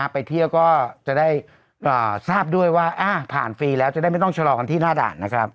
ไปเที่ยวก็จะได้ทราบด้วยว่าผ่านฟรีแล้วจะได้ไม่ต้องชะลอกันที่หน้าด่านนะครับ